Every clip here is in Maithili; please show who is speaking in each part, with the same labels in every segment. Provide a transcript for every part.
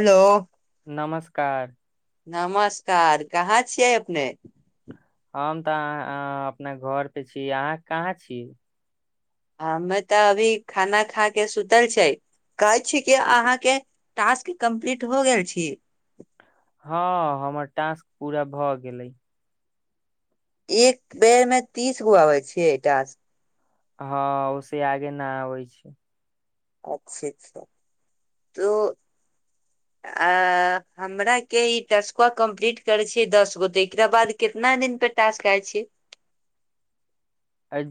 Speaker 1: हेलो
Speaker 2: नमस्कार
Speaker 1: नमस्कार कहाँ छियै अपने
Speaker 2: हम तऽ अहाँ अपना घर पे छी अहाँ कहाँ छी
Speaker 1: हमे तऽ अभी खाना खा के सुतल छै कहै छी क अहाँ के टास्क कम्प्लीट हो गेल छी
Speaker 2: हँ हमर टास्क पूरा भऽ गेलै
Speaker 1: एक बेर में तीस गो आबै छैय टा
Speaker 2: हँ ओसे आगे न आबै छै
Speaker 1: अच्छा अच्छा तऽ अ हमरा के इ टस्कुआ कम्प्लीट करे छीे दस गो ते एकरा बाद केतना दिन पे टास खाय छी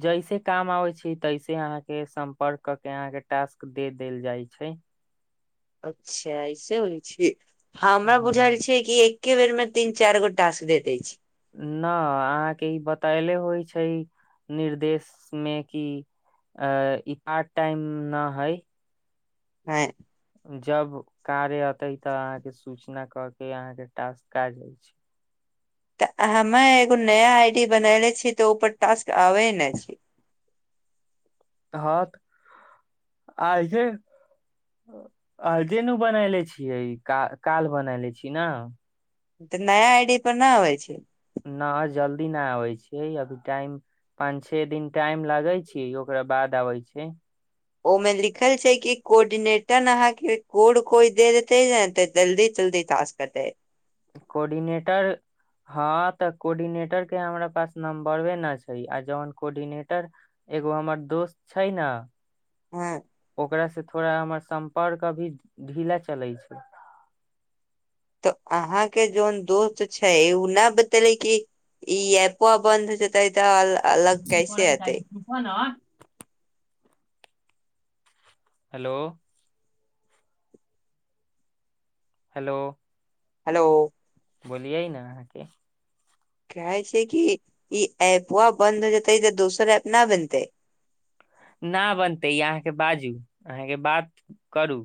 Speaker 2: जैसे काम आबे छै तैसे अहाँके सम्पर्क क के अहाँके टास्क दे देल जाइ छै
Speaker 1: अच्छा ऐसे होइ छै हँ हमरा बुझायल छै कि एके बेरमे तन चार गो टास्क दे दै छय
Speaker 2: न अहाँके ई बतायले होइ छै निर्देश मे कि अ इ पार्ट टाइम न हइ
Speaker 1: ह
Speaker 2: जब कार्य औते तब अहाँ के सूचना क के अहाँ के टास्क क जाय छै
Speaker 1: तऽ हमे एगो नया आई डी बनले छीय तऽ ऊपर टास्क आबे ने छी
Speaker 2: ह आइ छैे आजुने बनायले छियै क काल बनाले छी ने
Speaker 1: तऽ नया आई डी पर नहि अबै छै
Speaker 2: न जल्दी नाय आबै छै अभी टाइम पांच छे दिन टाइम लागे छी ओकरा बाद आबे छै
Speaker 1: ओमें लिखल छै कि कोर्डिनेटर अहाँके कोड कोइ दे देतेे जल्दी जल्दी टास्क करतै
Speaker 2: कोर्डिनेटर हँ तऽ कोर्डिनेटर के हमरा पास नम्बरे न छै आ जौन कोर्डिनेटर एगो हमर दोस्त छै ने
Speaker 1: हँ
Speaker 2: ओकरा से थोड़ा हमर सम्पर्क अभी ढीला चले छै
Speaker 1: तऽ अहाके जोन दोस्त छै उ नहि बतेले कि ई ऐपो बन्द हो छै तऽ ई तऽ अलग कैसे अतै
Speaker 2: हना हेलो हेलो
Speaker 1: हेलो
Speaker 2: बोलियै ने अहाँके
Speaker 1: कहै छै कि ई ऐपबा बंन्द हो जेतै ई त दोसर ऐप न बनतै
Speaker 2: न बनतै ई अहाँके बाजू अहाँके बात करू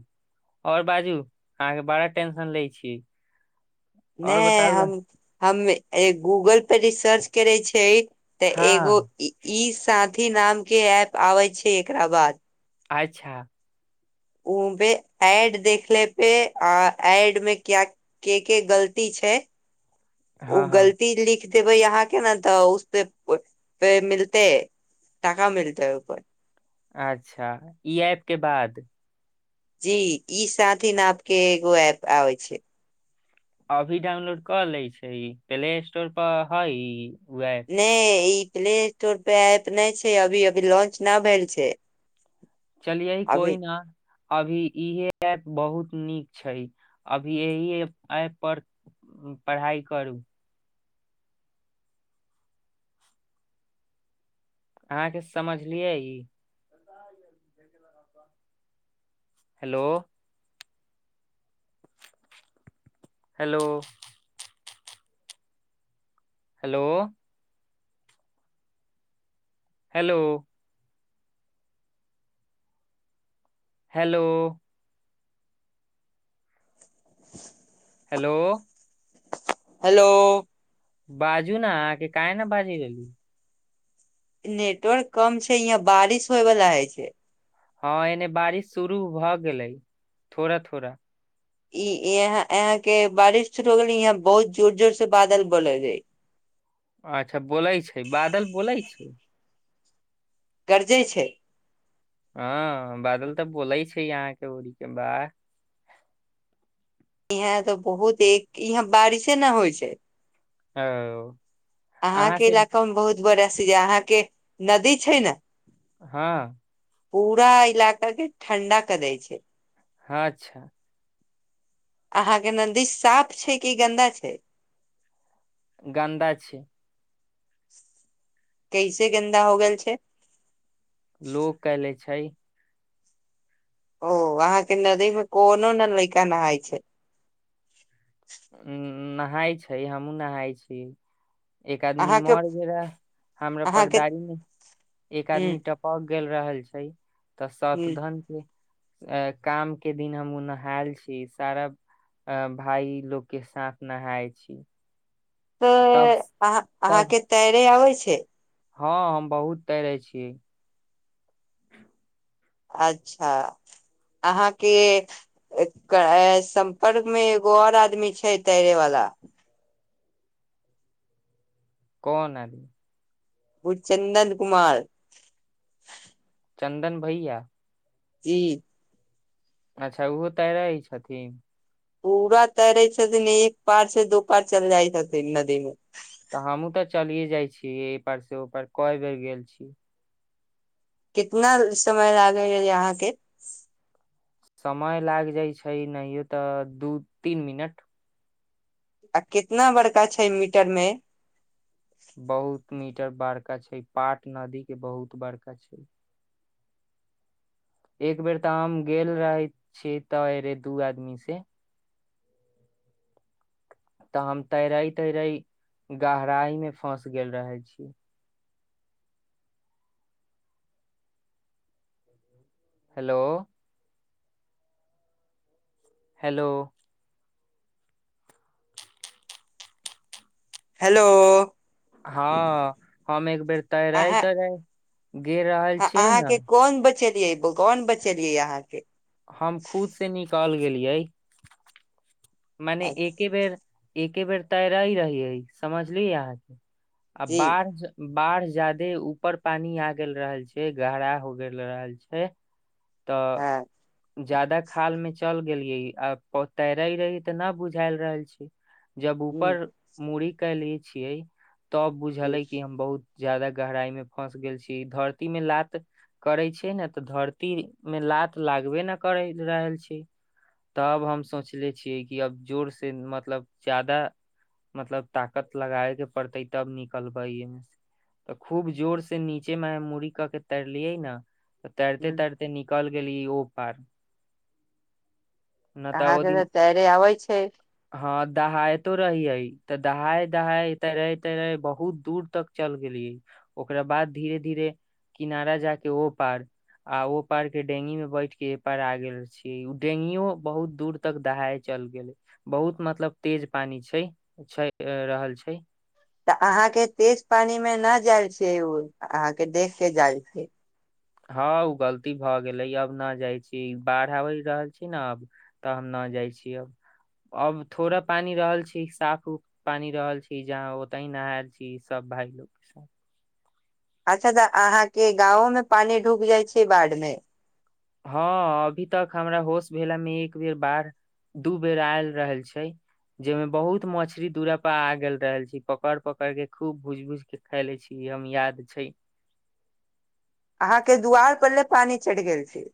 Speaker 2: ओर बाजू अहाँके बड़ा टेंशन लै छी और
Speaker 1: नै
Speaker 2: बताउ
Speaker 1: हम
Speaker 2: न-
Speaker 1: हम गूगल पे भी सर्च करे छै तऽ एगो
Speaker 2: हँ
Speaker 1: ई साथी नाम के एप आबे छै एकरा बाद
Speaker 2: अच्छा
Speaker 1: उमे ऐड देख ले पे आ एड मे क्या के के गलती छै ओ
Speaker 2: हँ हँ
Speaker 1: गलती लिख ख दैबे यहाँ के ने तऽ उसपे मिलते है टाका मिलतै पर
Speaker 2: अच्छा ई ऐप के बाद
Speaker 1: जी ई साथ ह नपके एगो एप आबै छै
Speaker 2: अभी डाउनलोड कऽ ले छै प्ले स्टोर पर हइ वए
Speaker 1: ने ई प्ले स्टोर पे एप नहि छै अभी अभी लॉंच न भेल छै
Speaker 2: चलिए कोइ
Speaker 1: अभी
Speaker 2: न अभी इहे ऐप बहुत नीक छै अभी एहिए ऐप पर पढ़ाइ करू अहाँके समझलियै ई ा hello hello hello hello hello hello
Speaker 1: hello
Speaker 2: बाजू नी क न बाजय रहली
Speaker 1: नेटवर्क कम छै यहाँ बारिश होय वला हइ छै
Speaker 2: हँ एने बारिश शुरू भऽ गेलै थोड़ा थोड़ा
Speaker 1: ई यहाँ यहाँ के बारिश शुर हो गेलै यहाँ बहुत जोर जोर से बादल बोल हय
Speaker 2: अच्छा बोलै छै बादल बोलै छै
Speaker 1: गर्जेय छै
Speaker 2: ह बादल तऽ बोलय छै यहाँ के ओड़ी के बाह
Speaker 1: यहाँ तऽ बहुत एक यहाँ बारिशे न होइ छै
Speaker 2: ओ अहाँ
Speaker 1: अहाँके
Speaker 2: से
Speaker 1: इलाका मे बहुत बरस जे अहाँके नदी छै ने
Speaker 2: हँ
Speaker 1: पूरा इलाका के ठण्डा क दै छै
Speaker 2: हँ अच्छा
Speaker 1: अहाँ के नदी साफ छै की गन्दा छै
Speaker 2: गन्दा छै
Speaker 1: कैसे गेन्दा हो गेल छै
Speaker 2: लोक कैले छै
Speaker 1: ओ वहाँ के नदी में कोनो न लैका नहाय छै
Speaker 2: अम्म नहाय छै हमहुँ नहाय छी एक आदमी
Speaker 1: अहाँ के
Speaker 2: मर गेल रहा हमरा
Speaker 1: अहाँ के
Speaker 2: परदारी मे एक
Speaker 1: ह
Speaker 2: आदमी टप प गेल रहल छै तऽ सत
Speaker 1: ह
Speaker 2: धन के अ काम के दिन हम ओ नहायल छी सारा अ भाय लोक के साथ नहाय छी तब
Speaker 1: तऽ अहा
Speaker 2: तब
Speaker 1: अहाँके तैरे आबै छै
Speaker 2: हँ हम बहुत तैरे छीयै
Speaker 1: अच्छा अहाँके सम्पर्क में एगो आओर आदमी छै तैरे वाला
Speaker 2: कोन अय
Speaker 1: बु चन्दन कुमार
Speaker 2: चन्दन भैया
Speaker 1: की
Speaker 2: अच्छा ओहो तऽ रहै छथिन
Speaker 1: पूरा तैरै छथिन एक पार से दू पार चल जाइ छथिन नदी मे
Speaker 2: तऽ हमूँ तऽ चलिये जाइ छीय एहि पार से ओ पार कय बेर गेल छी
Speaker 1: कितना समय लागे ह अहाँ के
Speaker 2: समय लागि जाइ छै नहियो तऽ दू तीन मिनट
Speaker 1: आ कितना बड़का छै मीटर मे
Speaker 2: बहुत मीटर बड़का छै पाट नदी के बहुत बड़का छै एक बेर तऽ हम गेल रहे छी तऽ रे दू आदमी से तऽ हम तैरई तैरई गहराई में फस गेल रहे छी हेलो हेलो
Speaker 1: हेलो
Speaker 2: हँ हम एक बेर तैरे तर गे रह
Speaker 1: ह अहाँ के कोन बचेलियै कौन बचेलियै अहाँ के
Speaker 2: हम खुद से निकल गेलियै मने
Speaker 1: अच्छा,
Speaker 2: एके बेर एके बेर तैरइ रही हइ समझलिय अहाँ आ
Speaker 1: जी
Speaker 2: बार बाढ़ ज्यादे ऊपर पानी आ गेल रहल छै गहरा हो गेल रहल छै
Speaker 1: हँ
Speaker 2: तऽ जादा खाल मे चल गेलियै आ तैर रही त नह बुझाय रहल छै जब ऊपर मूड़ी कलिय छियै तब बुझलै कि हम बहुत ज्यादा गहराई मे फँस गेल छी धरती मे लात करै छै ने तऽ धरती मे लात लागबे ने कर रहल छै तब हम सोचले छियै कि अब जोर से मतलब जादा मतलब ताकत लगाए के पड़तै तब निकलबै एहिमे तऽ खूब जोर से नीचे मे मूड़ी कऽ के तैरलियै न तऽ तैरते
Speaker 1: ह
Speaker 2: तैरते निकल गेलीयइ ओपार
Speaker 1: अहाँ के त तैरे अबै छै
Speaker 2: हँ दहायतो रहियइ तऽ दहााय दहााय तैराे तैरे बहुत दूर तक चल गेलियै ओकरा बाद धीरे धीरे किनारा जा के ओ पार आ ओ पार के डेंगी में बैठ के ए पार आ गेल छीये उ डेंगियो बहुत दूर तक दहाय छै चल गेल बहुत मतलब तेज पानी छै छै रहल छै
Speaker 1: तऽ अहाँ के तेज पानी में न जाय छै ओ अहाँ के देख के जाय छै
Speaker 2: हँ ओ गलती भऽ गेलै अब न जाइ छी बाढ़ आबि रहल छी ने अब तऽ हम न जाइ छीय अब अब थोड़ा पानी रहल छी साफ उफ पानि रहल छी जहाँ ओत ही नहायल छी सब भाय लोग के साथ
Speaker 1: अच्छा तऽ अहाँ के गाँव में पानी ढूक जाइ छै बाढ़ मे
Speaker 2: हँ अभी तक हमरा होश भेलामे एक बेर बाढ़ दू बेर आयल रहल छै जय में बहुत मछरी दूरा पर आ गेल रहल छी पकड़ पकड़ के खूब भूज भूज के खयले छी हम याद छै
Speaker 1: अहाँ के दुआर पर ले पानी चढ़ि गेल छी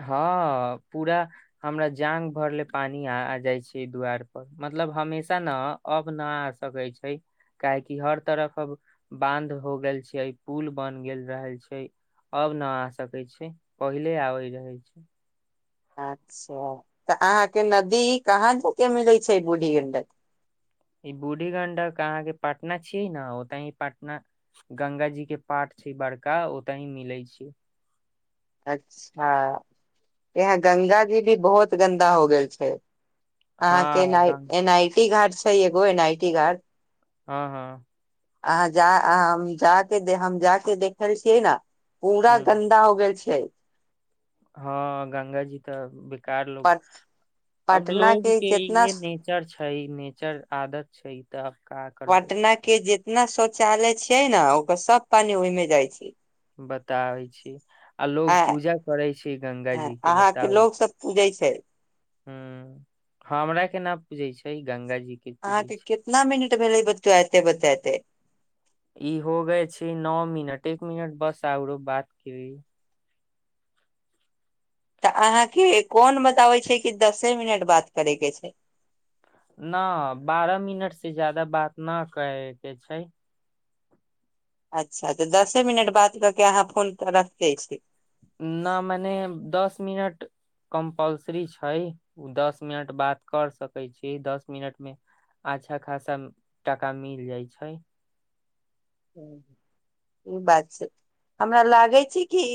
Speaker 2: हँ पूरा हमरा जांग भरले पानी आ जाइ छै दुवार पर मतलब हमेशा ने अब न आ सकै छै काहेकि हर तरफ अब बांध हो गेल छै पुल बन गेल रहल छै अब न आ सकैत छै पहिले आबैत रहै छै
Speaker 1: अच्छा तऽ अहाँके नदी कहाँ जा के मिलैत छै बूढ़ी गंडक
Speaker 2: ई बूढ़ी गंडक अहाँके पटना छियै ने ओतहि पटना गंगा जी के पाठ छै बड़का ओते ही मिले छै
Speaker 1: अच्छा यहाँ गंगा जी भी बहुत गन्दा हो गेल छै अहाँके
Speaker 2: हँ
Speaker 1: एना
Speaker 2: गंग
Speaker 1: एनआइटी घाट छै एगो एनाइटी घाट
Speaker 2: हँ हँ
Speaker 1: अहाँ जा जाके हम जाके देखल छियै ने
Speaker 2: ह
Speaker 1: पूरा गन्दा हो गेल छै
Speaker 2: हँ गंगा जी तऽ बेकार लो अब
Speaker 1: पटना
Speaker 2: लोग के इे
Speaker 1: जितना
Speaker 2: नेच नेचर छै नेचर आदत छै तऽब काज
Speaker 1: पटना के जितना शौचालय छियै ने ओकर सब पानि ओहिमे जाइ छै
Speaker 2: बताबै छी आ लोग पूजा करे छै गंगा जी के
Speaker 1: अहाँके
Speaker 2: बताबै
Speaker 1: लोग
Speaker 2: छी
Speaker 1: सब पूजै छै
Speaker 2: ह हमरा के ना पूजै छै गंगा जी के पूजै
Speaker 1: अहाँके
Speaker 2: छै
Speaker 1: कितना मिनट भेलै बतायते बतायते
Speaker 2: ई हो गय छै नओ मिनट एक मिनट बस औरो बात की
Speaker 1: तऽ अहाँ के कोन बताबे छै कि दसे मिनट बात करे के छै
Speaker 2: न बारह मिनट से जादा बात न करे के छै
Speaker 1: अच्छा तऽ दसे मिनट बात कऽ के अहाँ फोन रख दै छी
Speaker 2: न मने दस मिनट कम्पलसरी छै दस मिनट बात कर सकै छी दस मिनट मे आच्छा खासा टाका मिल जाय छै
Speaker 1: ह ई बात छै हमरा लागै छै कि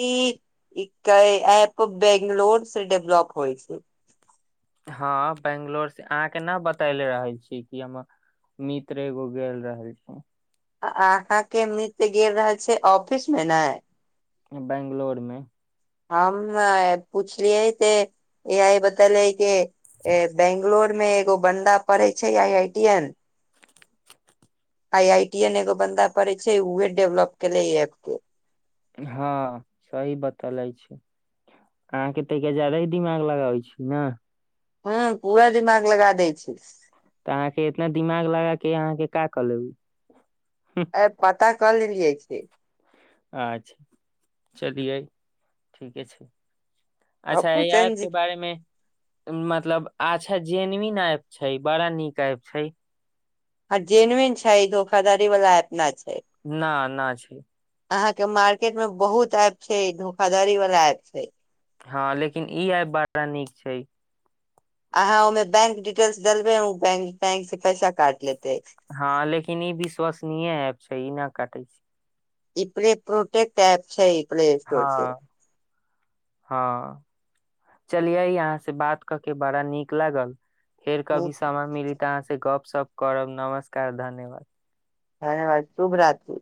Speaker 1: एक ऐप बैंगलोर से विवलप होइ छै [unintelligible]
Speaker 2: हँ बैंगलोर से अहाँके नहि बतैले रहै छी कि हम मित्र एगो गेल रहल छ
Speaker 1: अहाँ के मीत गेल रहल छै ऑफिस मे ने
Speaker 2: बैंगलोर में
Speaker 1: हम नै पुछलियए त इहै बतेलेै कि बेंगलोर मे एगो बन्दा पड़ै छै I I T N I I T N एगो बन्दा पड़ै छै उहे डेवलप केले एप के
Speaker 2: हँ सही बतैले छै अहाँ के तऽ ज्यादा ही दिमाग लगाबै छी ने
Speaker 1: हँ पूरा दिमाग लगा दै
Speaker 2: तऽ अहाँ के इतना दिमाग लगा के अहाँ के का कऽ लेब
Speaker 1: अ पता कऽ लेलियै की
Speaker 2: अच्छा चलियै ठीके छै अच्छा य ऐप
Speaker 1: चेंज
Speaker 2: के बारेमे मतलब अच्छा जेनविन एप छै बड़ा नीक एप छै
Speaker 1: ह जेनविन छै धोखाधारी वाला एपनै छै
Speaker 2: न न छै
Speaker 1: अहाँ के मार्केट में बहुत एप छै धोखाधड़ी वाला एप छै
Speaker 2: हँ लेकिन ई एप बड़ा नीक छै
Speaker 1: अहाँ ओमें बैंक डिटेल्स देेलबेै बैंकतैंक से पैसा काट लेतै
Speaker 2: हँ लेकिन ई विश्वसनीय एप छै ई न कटै छी
Speaker 1: इपड़े प्रोटेेक्ट एप छै प्ले स्टोर
Speaker 2: हँ हँ चलियै अहाँ से बात क के बड़ा नीक लागल फेर कभी
Speaker 1: से
Speaker 2: समय मिली तऽ अहाँ से गप सप करब नमस्कार धन्यवाद
Speaker 1: धन्यवाद शुभ रात्री